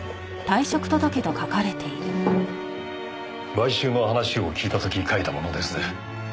買収の話を聞いた時書いたものです。